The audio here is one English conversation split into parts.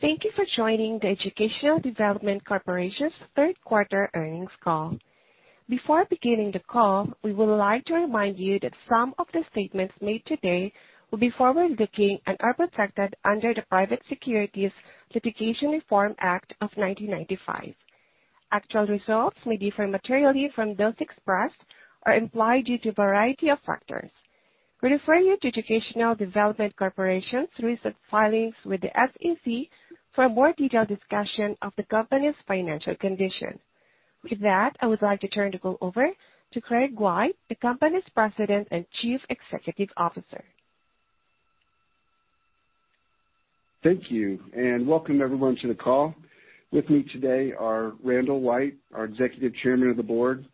Thank you for joining the Educational Development Corporation's Q3 earnings call. Before beginning the call, we would like to remind you that some of the statements made today will be forward-looking and are protected under the Private Securities Litigation Reform Act of 1995. Actual results may differ materially from those expressed or implied due to a variety of factors. We refer you to Educational Development Corporation's recent filings with the SEC for a more detailed discussion of the company's financial condition. With that, I would like to turn the call over to Craig White, the company's President and Chief Executive Officer. Thank you, and welcome everyone to the call. With me today are Randall White, our Executive Chairman of the Board,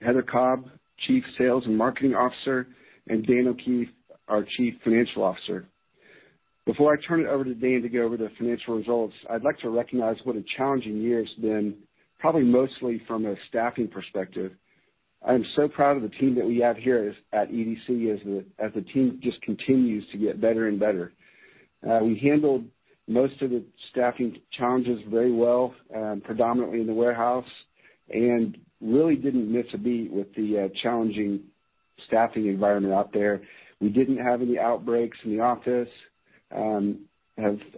Heather Cobb, Chief Sales and Marketing Officer, and Dan O'Keefe, our Chief Financial Officer. Before I turn it over to Dan to go over the financial results, I'd like to recognize what a challenging year it's been, probably mostly from a staffing perspective. I am so proud of the team that we have here at EDC as the team just continues to get better and better. We handled most of the staffing challenges very well, predominantly in the warehouse, and really didn't miss a beat with the challenging staffing environment out there. We didn't have any outbreaks in the office. We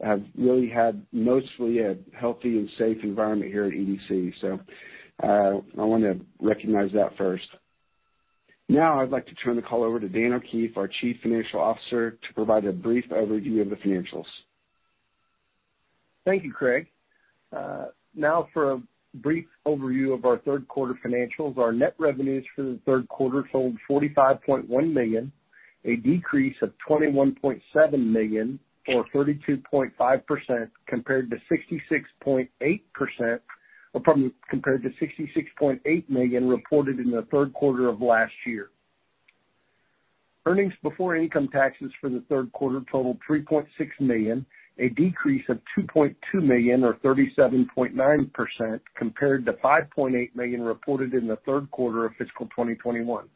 have really had mostly a healthy and safe environment here at EDC. I wanna recognize that first. Now I'd like to turn the call over to Dan O'Keefe, our Chief Financial Officer, to provide a brief overview of the financials. Thank you, Craig. Now for a brief overview of our Q3 financials. Our net revenues for the Q3 totaled $45.1 million, a decrease of $21.7 million or 32.5% compared to $66.8 million. Or pardon me. Compared to $66.8 million reported in the Q3 of last year. Earnings before income taxes for the Q3 totaled $3.6 million, a decrease of $2.2 million or 37.9% compared to $5.8 million reported in the Q3 of fiscal 2021.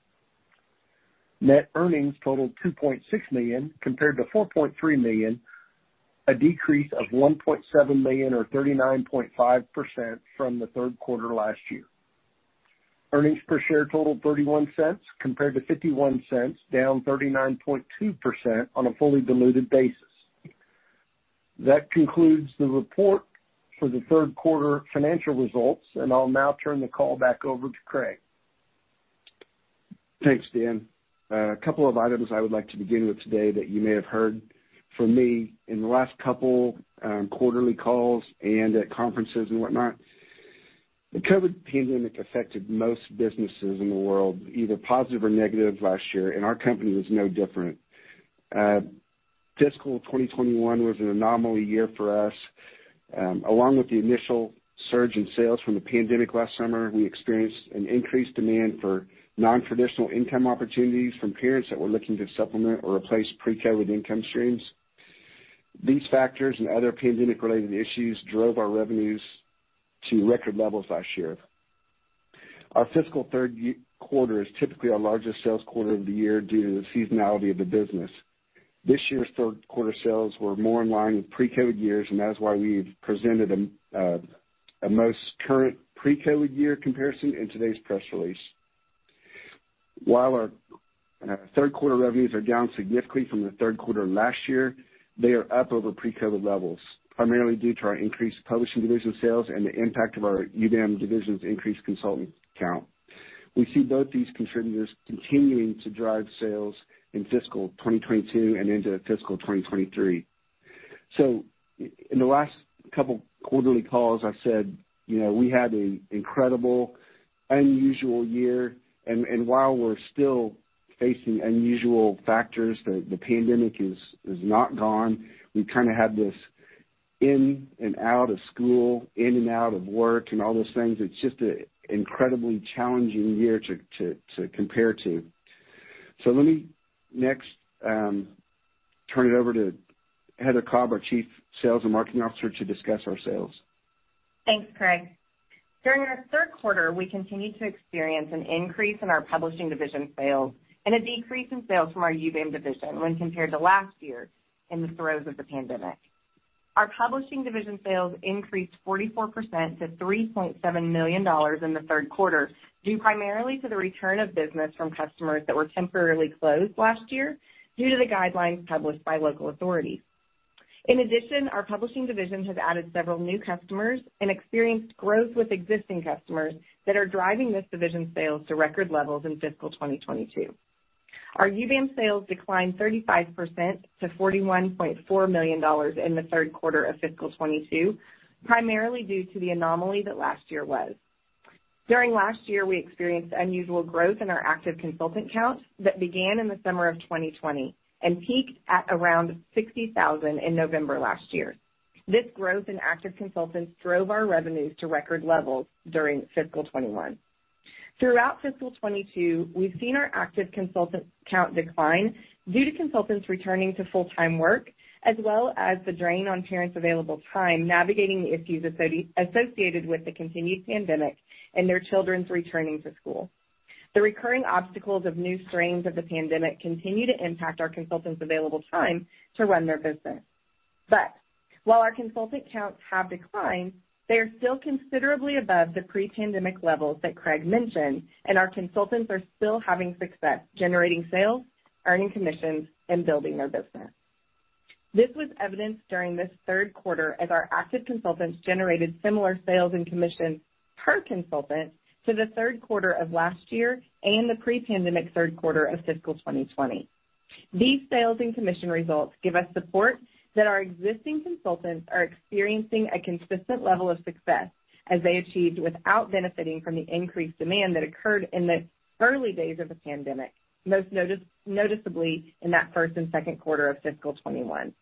Net earnings totaled $2.6 million compared to $4.3 million, a decrease of $1.7 million or 39.5% from the Q3 last year. Earnings per share totaled $0.31 compared to $0.51, down 39.2% on a fully diluted basis. That concludes the report for the Q3 financial results, and I'll now turn the call back over to Craig. Thanks, Dan. A couple of items I would like to begin with today that you may have heard from me in the last couple, quarterly calls and at conferences and whatnot. The COVID pandemic affected most businesses in the world, either positive or negative last year, and our company was no different. Fiscal 2021 was an anomaly year for us. Along with the initial surge in sales from the pandemic last summer, we experienced an increased demand for non-traditional income opportunities from parents that were looking to supplement or replace pre-COVID income streams. These factors and other pandemic-related issues drove our revenues to record levels last year. Our fiscal Q3 is typically our largest sales quarter of the year due to the seasonality of the business. This year's Q3 sales were more in line with pre-COVID years, and that's why we've presented a most current pre-COVID year comparison in today's press release. While our Q3 revenues are down significantly from the Q3 last year, they are up over pre-COVID levels, primarily due to our increased publishing division sales and the impact of our UBAM division's increased consultant count. We see both these contributors continuing to drive sales in fiscal 2022 and into fiscal 2023. In the last couple quarterly calls, I've said, you know, we had an incredible unusual year and while we're still facing unusual factors, the pandemic is not gone, we've kinda had this in and out of school, in and out of work, and all those things. It's just an incredibly challenging year to compare to. Let me next turn it over to Heather Cobb, our Chief Sales and Marketing Officer, to discuss our sales. Thanks, Craig. During our Q3, we continued to experience an increase in our publishing division sales and a decrease in sales from our UBAM division when compared to last year in the throes of the pandemic. Our publishing division sales increased 44% to $3.7 million in the Q3, due primarily to the return of business from customers that were temporarily closed last year due to the guidelines published by local authorities. In addition, our publishing division has added several new customers and experienced growth with existing customers that are driving this division's sales to record levels in fiscal 2022. Our UBAM sales declined 35% to $41.4 million in the Q3 of fiscal 2022, primarily due to the anomaly that last year was. During last year, we experienced unusual growth in our active consultant count that began in the summer of 2020 and peaked at around 60,000 in November last year. This growth in active consultants drove our revenues to record levels during fiscal 2021. Throughout fiscal 2022, we've seen our active consultant count decline due to consultants returning to full-time work, as well as the drain on parents' available time navigating the issues associated with the continued pandemic and their children's returning to school. The recurring obstacles of new strains of the pandemic continue to impact our consultants' available time to run their business. While our consultant counts have declined, they are still considerably above the pre-pandemic levels that Craig mentioned, and our consultants are still having success generating sales, earning commissions, and building their business. This was evidenced during this Q3 as our active consultants generated similar sales and commissions per consultant to the Q3 of last year and the pre-pandemic Q3 of fiscal 2020. These sales and commission results give us support that our existing consultants are experiencing a consistent level of success as they achieved without benefiting from the increased demand that occurred in the early days of the pandemic, most noticeably in that Q1 and Q2 of fiscal 2021.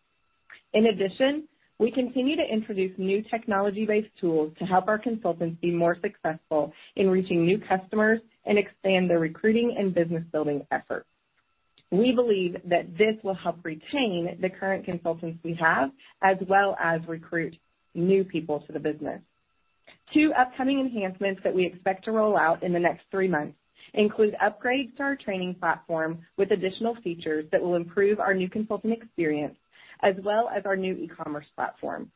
In addition, we continue to introduce new technology-based tools to help our consultants be more successful in reaching new customers and expand their recruiting and business building efforts. We believe that this will help retain the current consultants we have, as well as recruit new people to the business. Two upcoming enhancements that we expect to roll out in the next three months include upgrades to our training platform with additional features that will improve our new consultant experience, as well as our new e-commerce platform.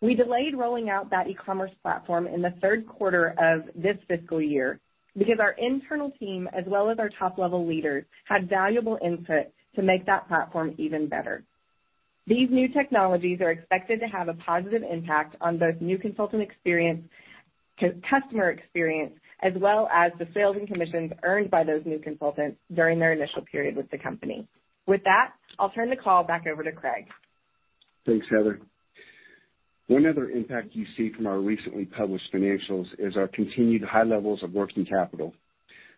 We delayed rolling out that e-commerce platform in the Q3 of this fiscal year because our internal team, as well as our top-level leaders, had valuable input to make that platform even better. These new technologies are expected to have a positive impact on both new consultant experience, customer experience, as well as the sales and commissions earned by those new consultants during their initial period with the company. With that, I'll turn the call back over to Craig. Thanks, Heather. One other impact you see from our recently published financials is our continued high levels of working capital.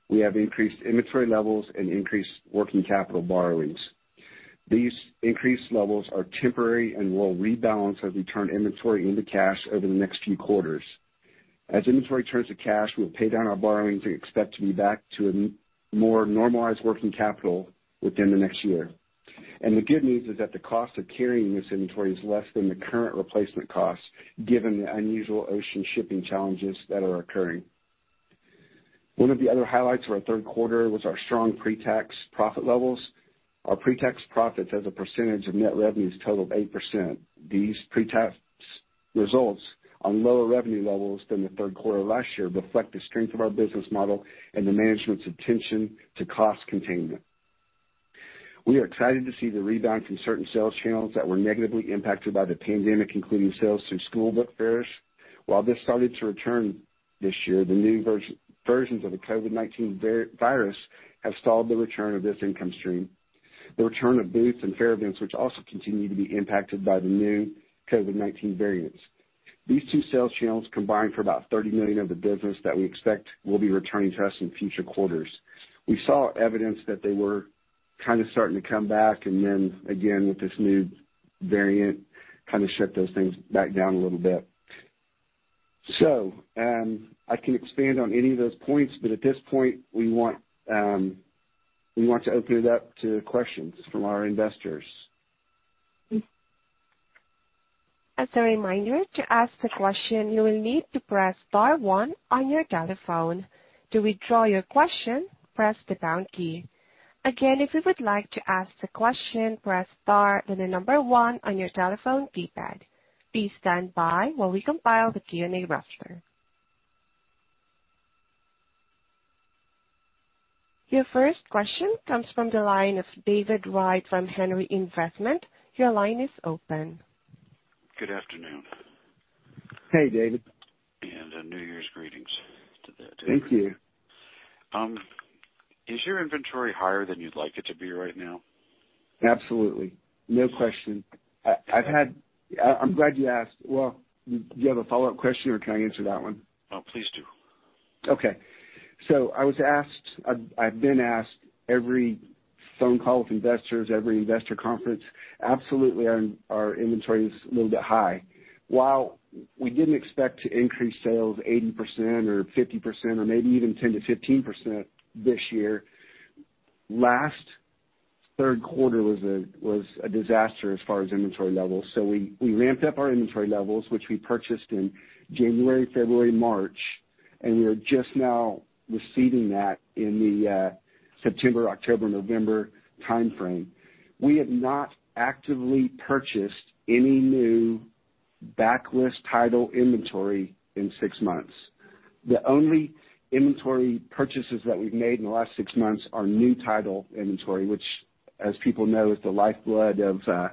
We have increased inventory levels and increased working capital borrowings. These increased levels are temporary and will rebalance as we turn inventory into cash over the next few quarters. As inventory turns to cash, we'll pay down our borrowings and expect to be back to a more normalized working capital within the next year. The good news is that the cost of carrying this inventory is less than the current replacement cost, given the unusual ocean shipping challenges that are occurring. One of the other highlights for our Q3 was our strong pre-tax profit levels. Our pre-tax profits as a percentage of net revenues totaled 8%. These pre-tax results on lower revenue levels than the Q3 of last year reflect the strength of our business model and the management's attention to cost containment. We are excited to see the rebound from certain sales channels that were negatively impacted by the pandemic, including sales through school book fairs. While this started to return this year, the new versions of the COVID-19 virus have stalled the return of this income stream, the return of booths and fair events, which also continue to be impacted by the new COVID-19 variants. These two sales channels combined for about $30 million of the business that we expect will be returning to us in future quarters. We saw evidence that they were kinda starting to come back, and then again, with this new variant, kind of shut those things back down a little bit. I can expand on any of those points, but at this point we want to open it up to questions from our investors. As a reminder, to ask a question, you will need to press star one on your telephone. To withdraw your question, press the pound key. Again, if you would like to ask the question, press star, then the number one on your telephone keypad. Please stand by while we compile the Q&A roster. Your first question comes from the line of David Wright from Henry Investment. Your line is open. Good afternoon. Hey, David. A New Year's greetings to the team. Thank you. Is your inventory higher than you'd like it to be right now? Absolutely. No question. I'm glad you asked. Well, do you have a follow-up question, or can I answer that one? No, please do. Okay. I was asked, I've been asked every phone call with investors, every investor conference, absolutely, our inventory is a little bit high. While we didn't expect to increase sales 80% or 50% or maybe even 10%-15% this year, last Q3 was a disaster as far as inventory levels so we ramped up our inventory levels, which we purchased in January, February, March, and we are just now receiving that in the September, October, November timeframe. We have not actively purchased any new backlist title inventory in six months. The only inventory purchases that we've made in the last six months are new title inventory, which, as people know, is the lifeblood of a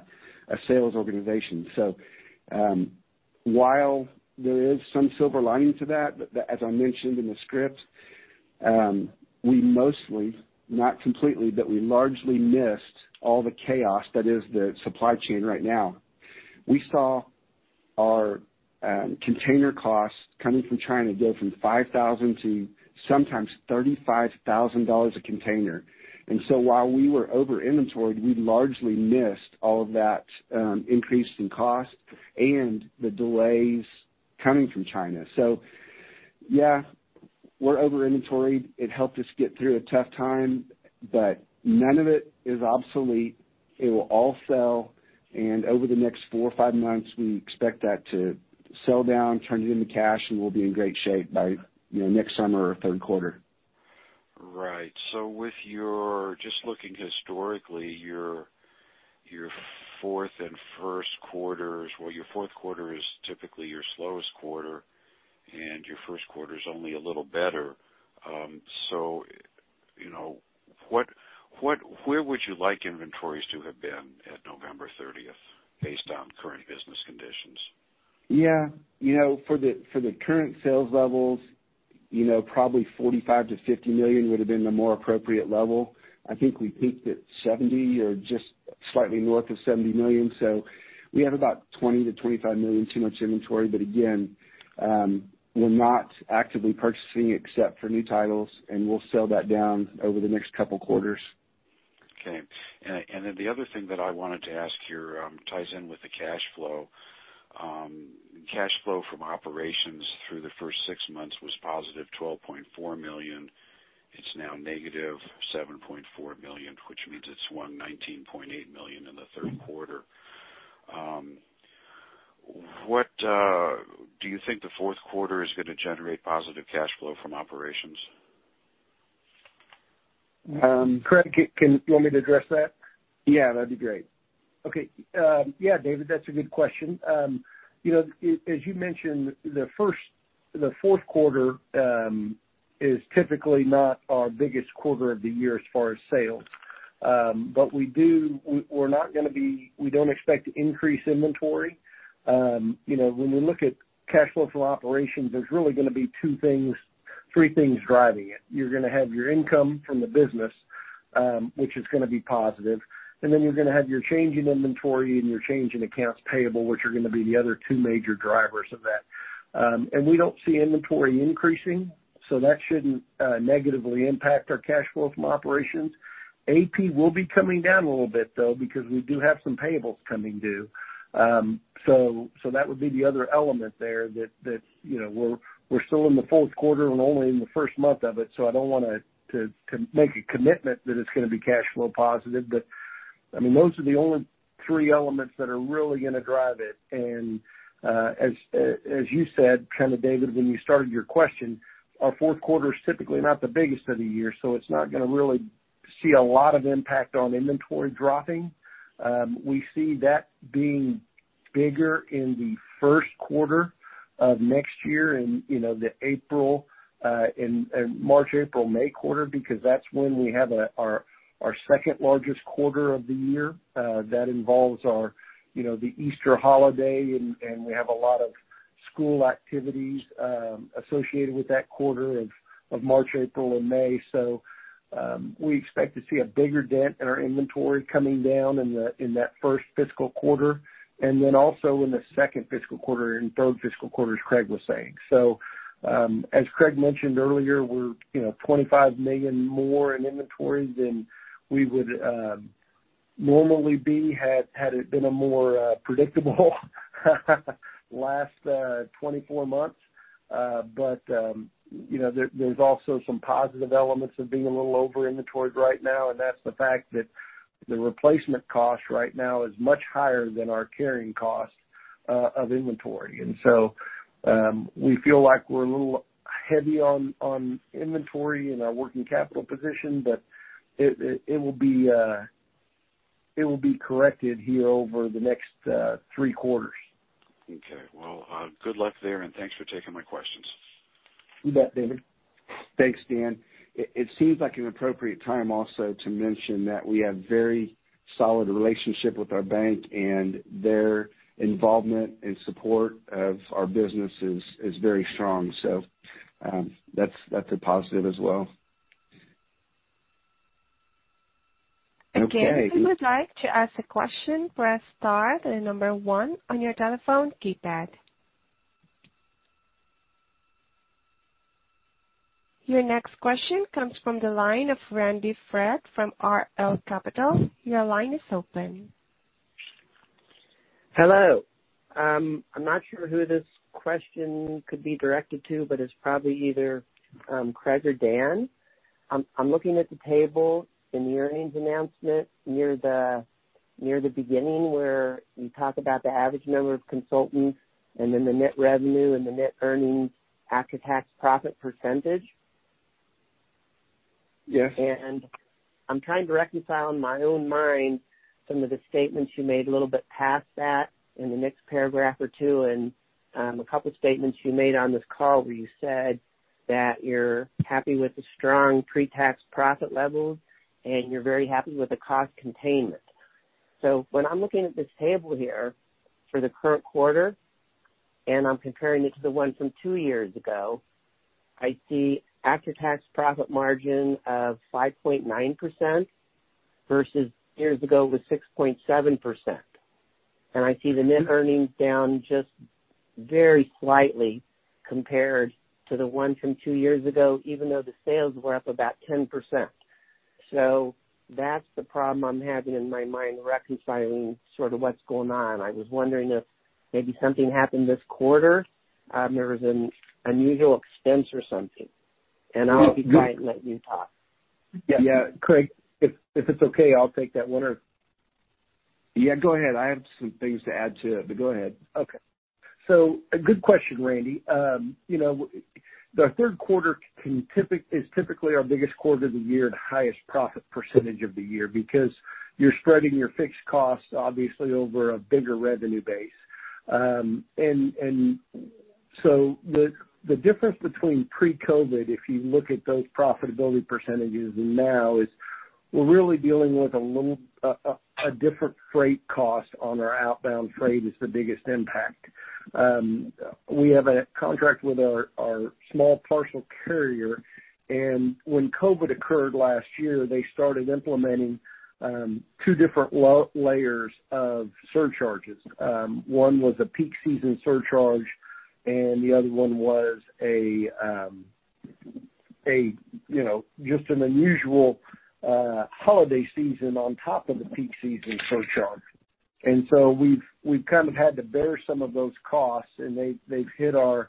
sales organization. While there is some silver lining to that, as I mentioned in the script, we mostly, not completely, but we largely missed all the chaos that is the supply chain right now. We saw our container costs coming from China go from $5,000 to sometimes $35,000 a container. While we were over-inventoried, we largely missed all of that increase in cost and the delays coming from China. Yeah, we're over-inventoried. It helped us get through a tough time, but none of it is obsolete. It will all sell, and over the next four or five months, we expect that to sell down, turn it into cash, and we'll be in great shape by, you know, next summer or Q3. Right. Just looking historically, your Q4 and Q1s, well, your Q4 is typically your slowest quarter and your Q1 is only a little better. You know, what, where would you like inventories to have been at November 30th based on current business conditions? Yeah. You know, for the current sales levels, you know, probably $45 million-$50 million would have been the more appropriate level. I think we peaked at 70 or just slightly north of 70 million. We have about $20 million-$25 million too much inventory. Again, we're not actively purchasing except for new titles, and we'll sell that down over the next couple quarters. Okay. Then the other thing that I wanted to ask here ties in with the cash flow. Cash flow from operations through the first six months was positive $12.4 million. It's now negative $7.4 million, which means it's run $19.8 million in the Q3. Do you think the Q4 is gonna generate positive cash flow from operations? Craig, do you want me to address that? Yeah, that'd be great. Okay. Yeah, David, that's a good question. You know, as you mentioned, the Q4 is typically not our biggest quarter of the year as far as sales. We don't expect to increase inventory. You know, when we look at cash flow from operations, there's really gonna be three things driving it. You're gonna have your income from the business, which is gonna be positive, and then you're gonna have your change in inventory and your change in accounts payable, which are gonna be the other two major drivers of that. We don't see inventory increasing, so that shouldn't negatively impact our cash flow from operations. AP will be coming down a little bit, though, because we do have some payables coming due. That would be the other element there that you know we're still in the Q4 and only in the first month of it, so I don't want to make a commitment that it's gonna be cash flow positive. I mean, those are the only three elements that are really gonna drive it. As you said, kind of, David, when you started your question, our Q4 is typically not the biggest of the year, so it's not gonna really see a lot of impact on inventory dropping. We see that being bigger in the Q1 of next year and, you know, the April in March, April, May quarter, because that's when we have our second largest quarter of the year that involves our, you know, the Easter holiday and we have a lot of school activities associated with that quarter of March, April and May. We expect to see a bigger dent in our inventory coming down in that first fiscal quarter and then also in the second fiscal quarter and third fiscal quarter, as Craig was saying. As Craig mentioned earlier, we're, you know, $25 million more in inventories than we would normally be had it been a more predictable last 24 months. You know, there's also some positive elements of being a little over inventoried right now, and that's the fact that the replacement cost right now is much higher than our carrying cost of inventory. We feel like we're a little heavy on inventory in our working capital position, but it will be corrected here over the next three quarters. Okay. Well, good luck there, and thanks for taking my questions. You bet, David. Thanks, Dan. It seems like an appropriate time also to mention that we have very solid relationship with our bank and their involvement and support of our business is very strong. That's a positive as well. Okay. If you would like to ask a question press star then number one on your telephone keypad. Your next question comes from the line of Randy Freed from R.L. Capital. Your line is open. Hello. I'm not sure who this question could be directed to, but it's probably either Craig or Dan. I'm looking at the table in the earnings announcement near the beginning where you talk about the average number of consultants and then the net revenue and the net earnings after-tax profit percentage and I'm trying to reconcile in my own mind some of the statements you made a little bit past that in the next paragraph or two and, a couple of statements you made on this call where you said that you're happy with the strong pre-tax profit levels and you're very happy with the cost containment. So when I'm looking at this table here for the current quarter, and I'm comparing it to the one from two years ago, I see after-tax profit margin of 5.9% versus years ago was 6.7% and I see the net earnings down just very slightly compared to the one from two years ago, even though the sales were up about 10%. That's the problem I'm having in my mind reconciling sort of what's going on. I was wondering if maybe something happened this quarter, there was an unusual expense or something. I'll be quiet and let you talk. Yeah. Craig, if it's okay, I'll take that one. Yeah, go ahead. I have some things to add to it, but go ahead. Okay. A good question, Randy. You know, the Q3 can typically our biggest quarter of the year and highest profit percentage of the year because you're spreading your fixed costs obviously over a bigger revenue base. And so the difference between pre-COVID, if you look at those profitability percentages and now, is we're really dealing with a little different freight cost on our outbound freight is the biggest impact. We have a contract with our small parcel carrier, and when COVID occurred last year, they started implementing two different layers of surcharges. One was a peak season surcharge, and the other one was a you know just an unusual holiday season on top of the peak season surcharge. We've kind of had to bear some of those costs and they've hit our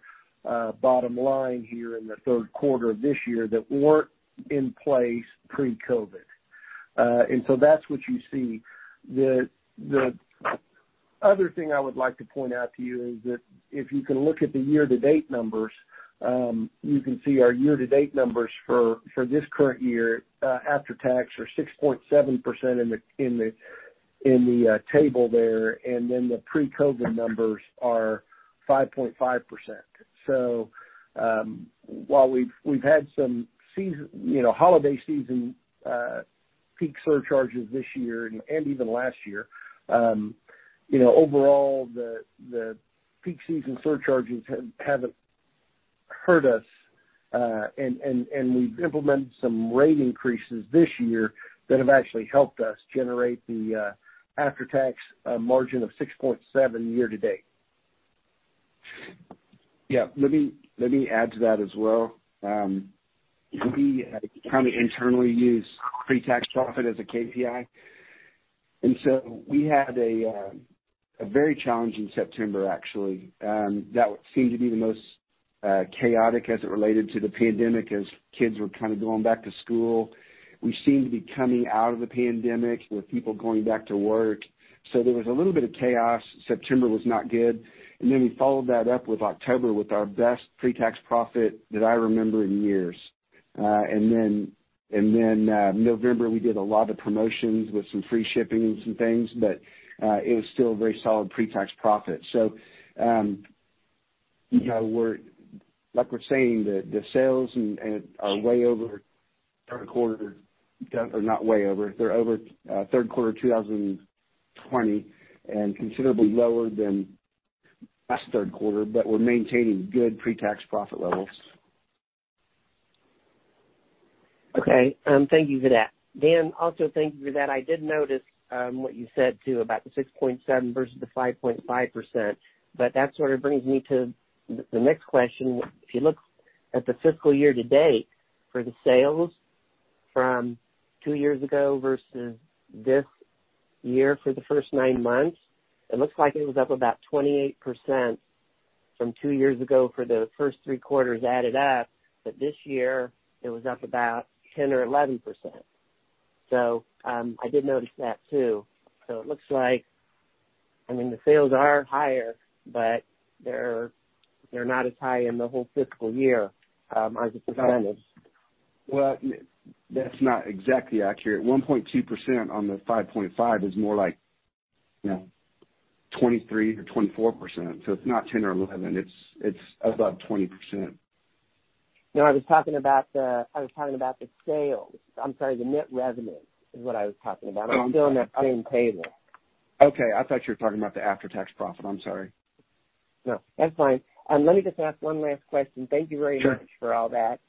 bottom line here in the Q3 of this year that weren't in place pre-COVID. That's what you see. The other thing I would like to point out to you is that if you can look at the year-to-date numbers, you can see our year-to-date numbers for this current year after tax are 6.7% in the table there. The pre-COVID numbers are 5.5%. While we've had some seasonal, you know, holiday season peak surcharges this year and even last year, you know, overall the peak season surcharges haven't hurt us, and we've implemented some rate increases this year that have actually helped us generate the after-tax margin of 6.7% year to date. Yeah. Let me add to that as well. We kind of internally use pre-tax profit as a KPI. We had a very challenging September, actually, that seemed to be the most chaotic as it related to the pandemic as kids were kind of going back to school. We seemed to be coming out of the pandemic with people going back to work, so there was a little bit of chaos. September was not good. We followed that up with October with our best pre-tax profit that I remember in years. November, we did a lot of promotions with some free shipping and some things, but it was still a very solid pre-tax profit. Like we're saying, the sales and are way over Q3. They're not way over, they're over Q3 2020 and considerably lower than last Q3, but we're maintaining good pre-tax profit levels. Okay. Thank you for that. Dan, also thank you for that. I did notice what you said too about the 6.7 versus the 5.5%, but that sort of brings me to the next question. If you look at the fiscal year to date for the sales from two years ago versus this year for the first nine months, it looks like it was up about 28% from two years ago for the first three quarters added up. This year it was up about 10 or 11%. I did notice that too. It looks like, I mean, the sales are higher, but they're not as high in the whole fiscal year as it was on this. Well, that's not exactly accurate. 1.2% on the 5.5% is more like, you know, 23% or 24%. So it's not 10% or 11%. It's above 20%. No, I was talking about the sales. I'm sorry. The net revenue is what I was talking about. I'm still on that same table. Okay. I thought you were talking about the after-tax profit. I'm sorry. No, that's fine. Let me just ask one last question. Thank you very much for all that.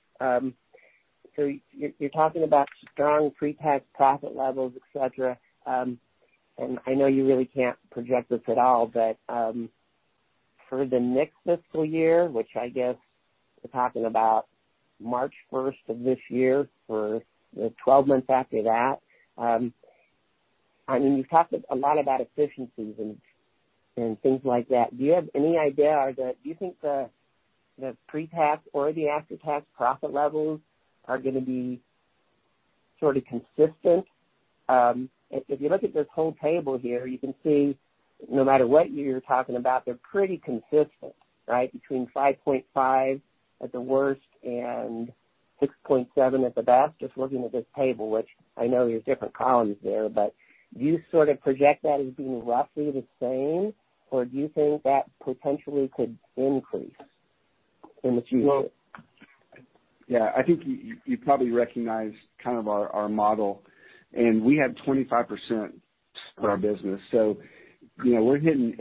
So you're talking about strong pre-tax profit levels, et cetera. I know you really can't project this at all, but for the next fiscal year, which I guess we're talking about March 1st of this year for the 12 months after that, I mean, you've talked a lot about efficiencies and things like that. Do you have any idea or do you think the pre-tax or the after-tax profit levels are gonna be sort of consistent? If you look at this whole table here, you can see no matter what year you're talking about, they're pretty consistent, right? Between 5.5 at the worst and 6.7 at the best, just looking at this table, which I know there's different columns there, but do you sort of project that as being roughly the same or do you think that potentially could increase in the future? Well, yeah, I think you probably recognize kind of our model and we have 25% for our business. You know, we're hitting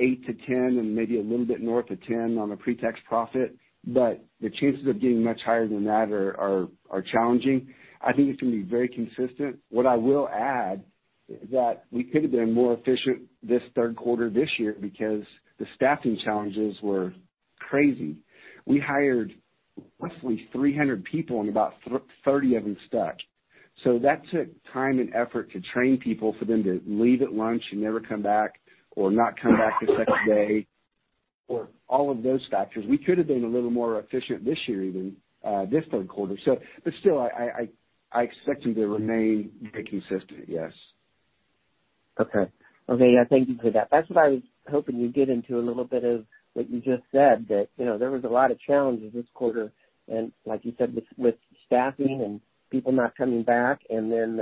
8%-10% and maybe a little bit north of 10% on a pre-tax profit, but the chances of getting much higher than that are challenging. I think it's gonna be very consistent. What I will add is that we could have been more efficient this Q3 this year because the staffing challenges were crazy. We hired roughly 300 people and about 30 of them stuck. That took time and effort to train people for them to leave at lunch and never come back or not come back the second day or all of those factors. We could have been a little more efficient this year even, this Q3, so still I expect them to remain very consistent. Yes. Okay. Yeah, thank you for that. That's what I was hoping you'd get into a little bit of what you just said, that you know, there was a lot of challenges this quarter and like you said, with staffing and people not coming back and then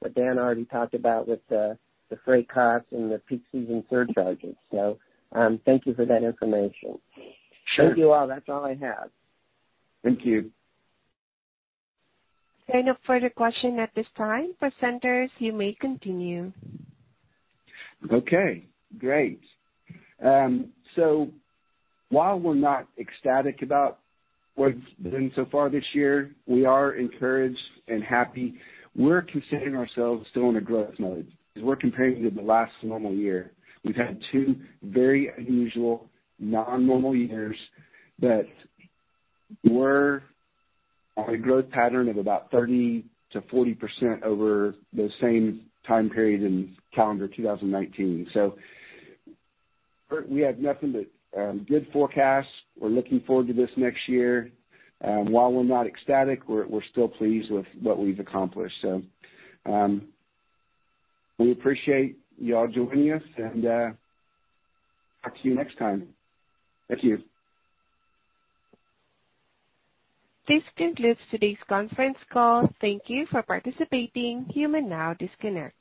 what Dan already talked about with the freight costs and the peak season surcharges. Thank you for that information. Sure. Thank you all. That's all I have. Thank you. There are no further questions at this time. Presenters, you may continue. Okay, great. While we're not ecstatic about what's been so far this year, we are encouraged and happy. We're considering ourselves still in a growth mode because we're comparing to the last normal year. We've had two very unusual non-normal years that were on a growth pattern of about 30%-40% over the same time period in calendar 2019. We have nothing but good forecast. We're looking forward to this next year. While we're not ecstatic, we're still pleased with what we've accomplished. We appreciate y'all joining us and talk to you next time. Thank you. This concludes today's conference call. Thank you for participating. You may now disconnect.